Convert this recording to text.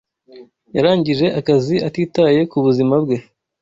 Yarangije akazi atitaye ku buzima bwe